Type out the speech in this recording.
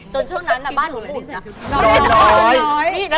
ช่วงนั้นบ้านหนูอุ่นนะ